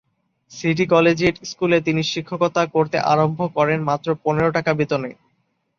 City collegiate স্কুলে তিনি শিক্ষকতা করতে আরম্ভ করেন মাত্র পনের টাকা বেতনে।